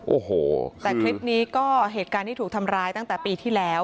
โอ้โหแต่คลิปนี้ก็เหตุการณ์ที่ถูกทำร้ายตั้งแต่ปีที่แล้ว